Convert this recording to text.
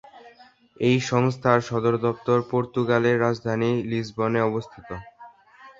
এই সংস্থার সদর দপ্তর পর্তুগালের রাজধানী লিসবনে অবস্থিত।